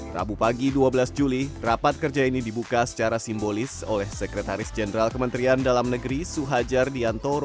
rabu pagi dua belas juli rapat kerja ini dibuka secara simbolis oleh sekretaris jenderal kementerian dalam negeri suhajar diantoro